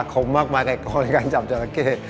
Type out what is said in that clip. ขมมากมายใกล้กองในการจับเจาระเข้